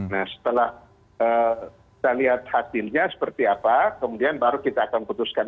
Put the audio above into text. nah setelah kita lihat hasilnya seperti apa kemudian baru kita akan putuskan